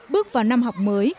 bước vào năm học mới